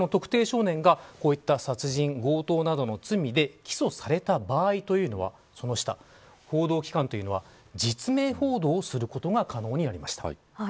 さらに、この特定少年がこういった殺人、強盗などの罪で起訴された場合というのは報道機関というのは実名報道をすることが可能になりました。